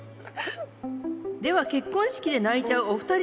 では結婚式で泣いちゃうお二人に質問です。